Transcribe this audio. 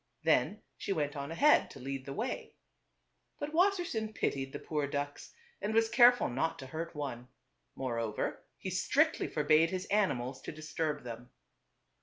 Then she went on ahead to lead the way. But Wassersein pitied TWO Bit OTHERS. 291 the poor ducks and was careful not to hurt one. Moreover, he strictly forbade his animals to dis turb them.